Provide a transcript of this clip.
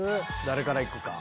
誰から行くか。